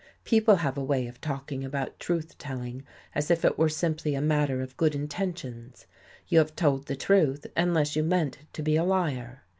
People have a way of talking about truth telling as if it were simply a matter of good intentions. You have told the truth unless you meant to be a liar.